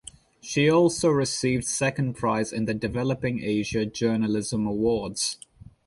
She also received second prize in the Developing Asia Journalism Awards.